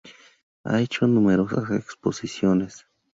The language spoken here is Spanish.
Ha hecho numerosas exposiciones.